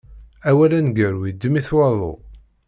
Awal aneggaru iddem-it waḍu.